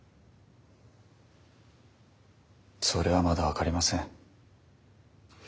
それはまだ分かりません。